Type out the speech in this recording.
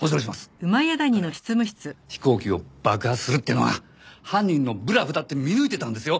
彼は飛行機を爆破するっていうのが犯人のブラフだって見抜いてたんですよ。